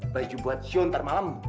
baju buat show ntar malam